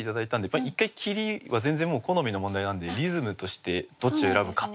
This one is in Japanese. やっぱり一回切りは全然もう好みの問題なんでリズムとしてどっちを選ぶか。